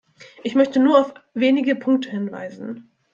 Ich möchte nur auf wenige Punkte hinweisen.